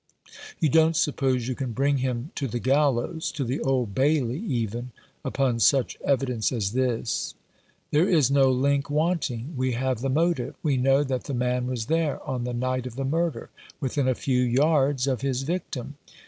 "You don't suppose you can bring him to the gallows — to the Old Bailey, even — upon such evidence as this ?"" There is no link wanting. We have the motive. We know that the man was there — on the night of the murder — within a few yards of his victim."